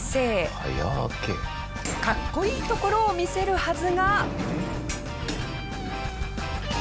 かっこいいところを見せるはずが。